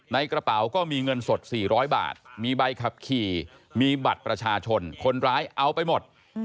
ในกระเป๋าก็มีเงินสด๔๐๐บาทมีใบขับขี่มีบัตรประชาชนคนร้ายเอาไปหมด